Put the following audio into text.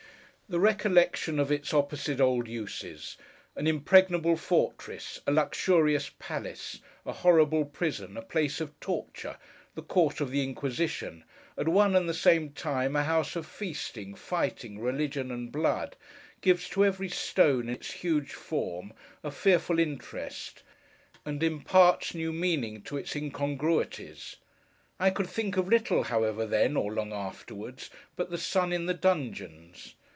The recollection of its opposite old uses: an impregnable fortress, a luxurious palace, a horrible prison, a place of torture, the court of the Inquisition: at one and the same time, a house of feasting, fighting, religion, and blood: gives to every stone in its huge form a fearful interest, and imparts new meaning to its incongruities. I could think of little, however, then, or long afterwards, but the sun in the dungeons.